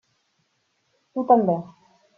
Tu també.